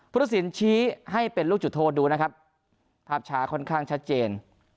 พุทธศิลป์ชี้ให้เป็นลูกจุดโทษดูนะครับภาพช้าค่อนข้างชัดเจน